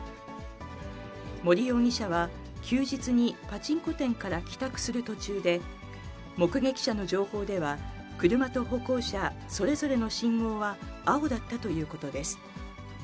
森容疑者は、休日にパチンコ店から帰宅する途中で、目撃者の情報では、車と歩行者それぞれの信号は青だったということです。